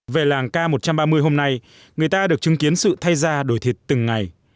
về làng k một trăm ba mươi hôm nay người ta được chứng kiến sự thay ra đổi thịt từng ngày